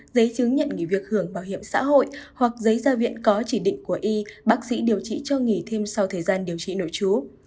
giấy chứng nhận nghỉ việc hưởng bảo hiểm xã hội hoặc giấy gia viện có chỉ định của y bác sĩ điều trị cho nghỉ thêm sau thời gian điều trị nội trú